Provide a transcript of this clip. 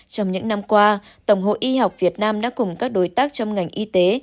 trong những năm qua tổng hội y học việt nam đã cùng các đối tác trong ngành y tế